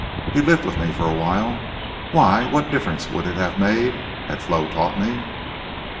He lived with me for a while. ... Why, what difference would it have made—had Flo taught me?"